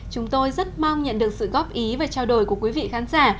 chúng tôi rất mong nhận được sự góp ý và trao đổi của quý vị khán giả